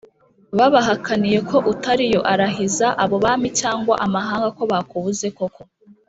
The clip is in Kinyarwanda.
Babahakaniye ko utariyo, arahiza abo bami cyangwa amahanga ko bakubuze koko